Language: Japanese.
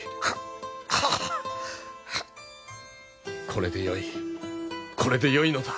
これでよいこれでよいのだ。